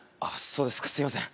そうですかすみません